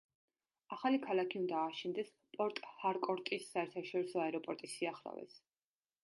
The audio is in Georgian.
ახალი ქალაქი უნდა აშენდეს პორტ-ჰარკორტის საერთაშორისო აეროპორტის სიახლოვეს.